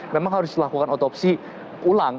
memang harus dilakukan otopsi ulang